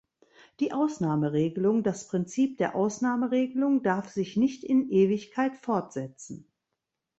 Die Ausnahmeregelung, das Prinzip der Ausnahmeregelung, darf sich nicht in Ewigkeit fortsetzen.